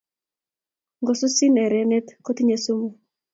Ngosusin erenet kotinyei sumu